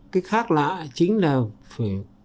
cái khác lạ chính là phải